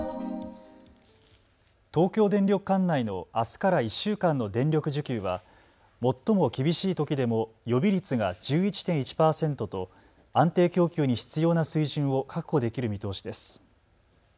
東京電力管内のあすから１週間の電力需給は最も厳しいときでも予備率が１１．１％と安定供給に必要な水準を確保できる見通しです。